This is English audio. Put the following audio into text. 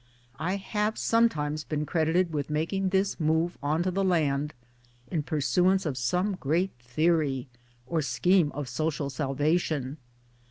I have sometimes been credited with making this move onto the land in pursuance of some great theory or scheme of social salvation'!